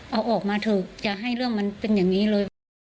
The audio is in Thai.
เอาออกมาเถอะจะให้เรื่องมันเป็นอย่างนี้เลย